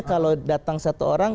kalau datang satu orang